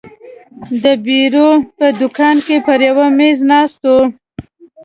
د بیرو په دوکان کې پر یوه مېز ناست وو.